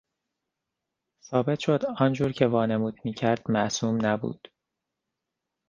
ثابت شد که آنجور که وانمود میکرد معصوم نبود.